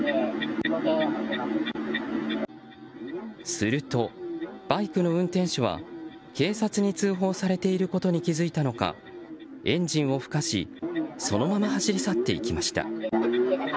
するとバイクの運転手は警察に通報されていることに気付いたのかエンジンをふかしそのまま走り去っていきました。